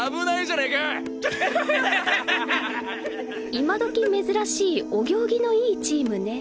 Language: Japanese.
今時珍しいお行儀のいいチームね。